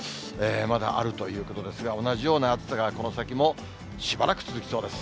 まだあるということですが、同じような暑さがこの先もしばらく続きそうです。